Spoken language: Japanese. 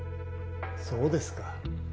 そうですか。